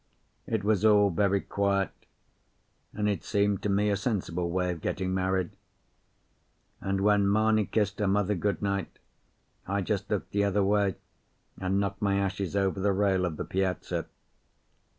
It was all very quiet, and it seemed to me a sensible way of getting married; and when Mamie kissed her mother good night, I just looked the other way, and knocked my ashes over the rail of the piazza.